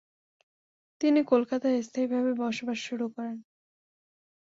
তিনি কলকাতায় স্থায়ীভাবে বসবাস শুরু করেন।